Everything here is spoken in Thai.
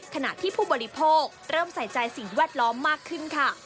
ขณะที่ผู้บริโภคเริ่มใส่ใจสิ่งแวดล้อมมากขึ้นค่ะ